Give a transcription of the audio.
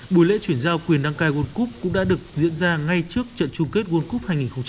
buổi lễ chuyển giao quyền đăng cai world cup cũng đã được diễn ra ngay trước trận chung kết world cup hai nghìn một mươi tám